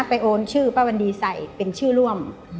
โอนชื่อป้าวันดีใส่เป็นชื่อร่วม